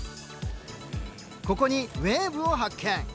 ここにウェーブを発見。